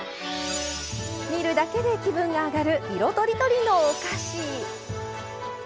見るだけで気分が上がる色とりどりのお菓子。